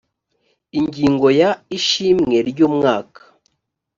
ingingo ya ishimwe ry umwaka